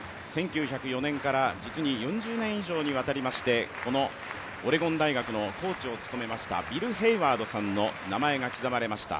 １９０４年から実に４０年以上にわたりましてこのオレゴン大学のコーチを務めましたビル・ヘイワードさんの名前が刻まれました。